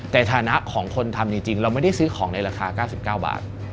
ในฐานะของคนทำจริงเราไม่ได้ซื้อของในราคา๙๙บาท